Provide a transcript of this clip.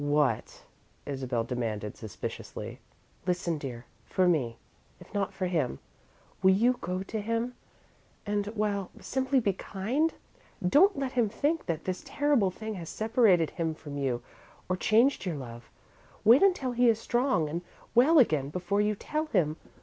"What?" Isabel demanded, suspiciously. "Listen, dear. For me, if not for him, will you go to him, and well, simply be kind? Don't let him think that this terrible thing has separated him from you or changed your love. Wait until he is strong and well again before you tell him.